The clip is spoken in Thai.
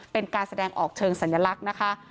เป็นการแสดงออกเชิงสัญลักษณ์นะคะ